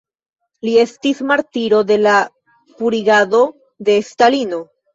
Li estis martiro de purigado de Stalino.